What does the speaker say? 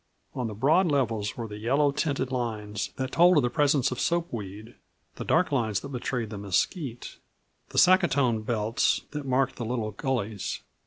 On the broad levels were the yellow tinted lines that told of the presence of soap weed, the dark lines that betrayed the mesquite, the saccatone belts that marked the little guillies.